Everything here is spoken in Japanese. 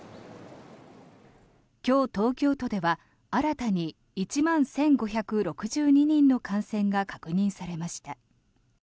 今日、東京都では新たに１万１５６２人の感染が確認されました。